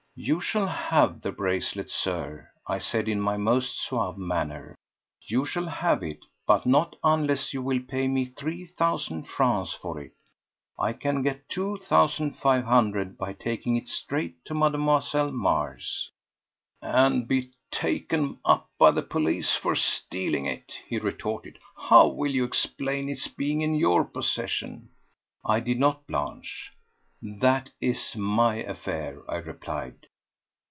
"You shall have the bracelet, Sir," I said in my most suave manner. "You shall have it, but not unless you will pay me three thousand francs for it. I can get two thousand five hundred by taking it straight to Mlle. Mars." "And be taken up by the police for stealing it," he retorted. "How will you explain its being in your possession?" I did not blanch. "That is my affair," I replied.